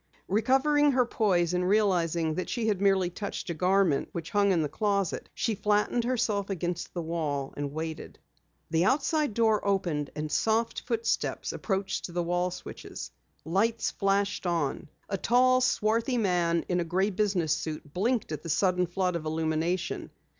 Recovering her poise and realizing that she had merely touched a garment which hung in the closet, she flattened herself against the wall and waited. The outside door opened and soft footsteps approached the wall switches. Lights flashed on. A tall, swarthy man in a gray business suit blinked at the sudden flood of illumination.